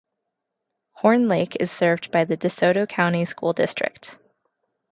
Horn Lake is served by the DeSoto County School District.